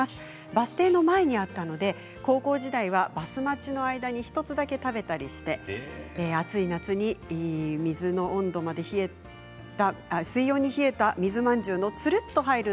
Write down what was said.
バス停の前にあったので高校時代はバス待ちの間に１つだけ食べたりして暑い夏にいい水温に冷えた水まんじゅうつるっと入る